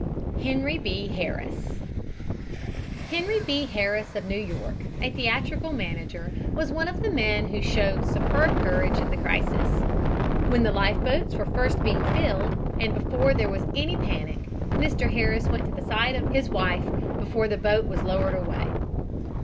HENRY B. HARRIS Henry B. Harris, of New York, a theatrical manager, was one of the men who showed superb courage in the crisis. When the life boats were first being filled, and before there was any panic, Mr. Harris went to the side of his wife before the boat was lowered away.